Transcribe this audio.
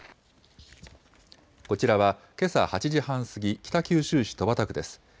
こちらはけさ８時半過ぎ、北九州市戸畑区です。